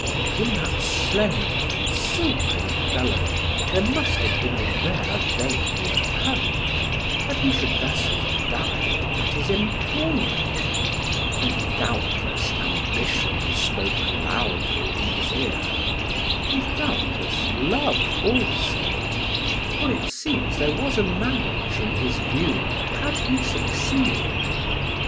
In that slender and silken fellow there must have been a rare vein of courage, that he should thus have died at his employment; and doubtless ambition spoke loudly in his ear, and doubtless love also, for it seems there was a marriage in his view had he succeeded.